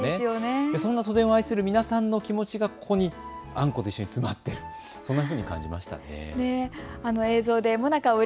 そんな都電を愛する皆さんの思いがこのもなかにあんこと一緒にたっぷりと詰まってるような、そんなふうに感じました。